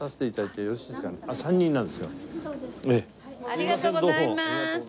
ありがとうございます。